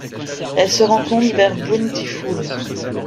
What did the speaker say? Elle se rencontre vers Bountiful.